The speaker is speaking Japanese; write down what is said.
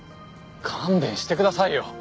勘弁してくださいよ。